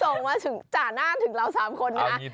ส่งมาจากหน้าถึงเรา๓คนนะฮะ